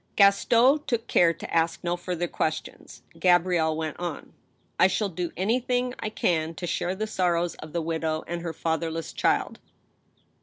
Gaston took care to ask no further questions. Gabrielle went on :" I shall do anything I can to share the sorrows of the widow and her fatherless child."